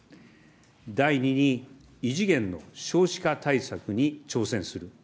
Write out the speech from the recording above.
第２に、異次元の少子化対策に挑戦する。